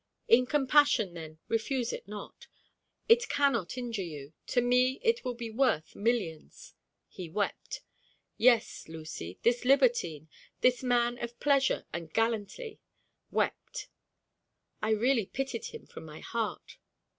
In compassion, then, refuse it not. It cannot injure you. To me it will be worth millions." He wept. Yes, Lucy, this libertine, this man of pleasure and gallantly, wept. I really pitied him from my heart.